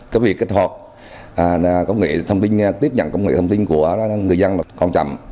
cái việc kết hợp công nghệ thông tin tiếp nhận công nghệ thông tin của người dân là còn chậm